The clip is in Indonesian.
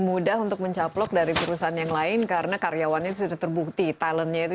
mudah untuk mencaplok dari perusahaan yang lain karena karyawannya sudah terbukti talentnya itu